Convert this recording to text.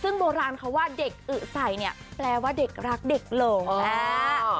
ซึ่งโบราณเขาว่าเด็กอึใส่เนี่ยแปลว่าเด็กรักเด็กหลงอ่า